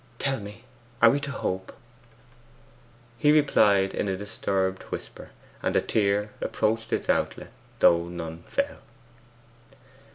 'Tell me; are we to hope?' He replied in a disturbed whisper, and a tear approached its outlet, though none fell.